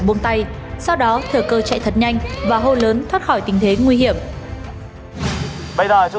chạy ngay sau đó thử cơ chạy thật nhanh và hôn lớn thoát khỏi tình thế nguy hiểm bây giờ chúng